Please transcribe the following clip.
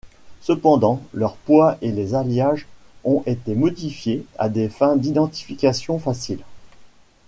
Cependant, leur poids et les alliages ont été modifiés à des fins d'identification facile.